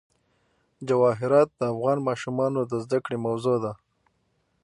جواهرات د افغان ماشومانو د زده کړې موضوع ده.